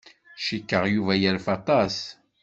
Cikkeɣ Yuba yerfa aṭas.